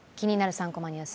３コマニュース」。